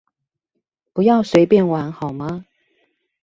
不要隨便玩好嗎